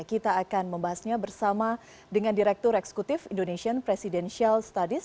kita akan membahasnya bersama dengan direktur eksekutif indonesian presidential studies